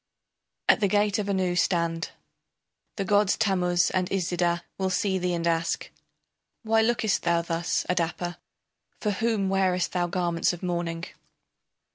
] At the gate of Anu stand. The gods Tammuz and Iszida will see thee and ask: Why lookest thou thus, Adapa, For whom wearest thou garments of mourning?